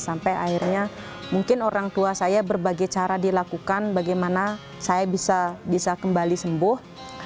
sampai akhirnya mungkin orang tua saya berbagai cara dilakukan bagaimana saya bisa kembali sembuh